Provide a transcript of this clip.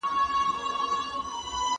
په ټولګي کي د استاد پوښتنو ته ځواب ورکړه.